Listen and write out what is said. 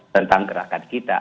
tentang gerakan kita